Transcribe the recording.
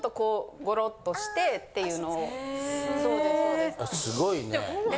すごいね。